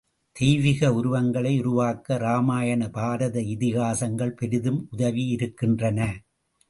தெய்வீக உருவங்களை உருவாக்க ராமாயண, பாரத இதிகாசங்கள் பெரிதும் உதவியிருக்கின்றன.